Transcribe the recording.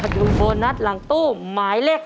ดูโบนัสหลังตู้หมายเลข๓